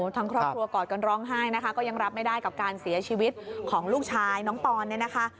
ทั้งครอบครัวกอดกันร้องไห้นะคะก็ยังรับไม่ได้กับการเสียชีวิตของลูกชายน้องปอนเนี่ยนะคะ